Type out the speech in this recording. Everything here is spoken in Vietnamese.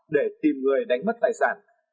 để tìm người đánh mất tài sản